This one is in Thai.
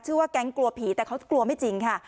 ว่าแก๊งกลัวผีแต่เขากลัวไม่จริงค่ะ